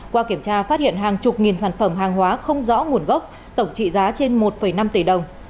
qua kiểm tra phát hiện hàng chục nghìn sản phẩm hàng hóa không rõ nguồn gốc tổng trị giá trên một năm tỷ đồng